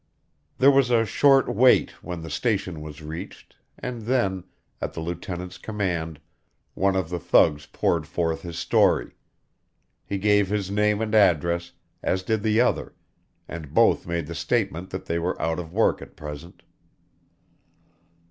There was a short wait when the station was reached, and then, at the lieutenant's command, one of the thugs poured forth his story. He gave his name and address, as did the other, and both made the statement that they were out of work at present.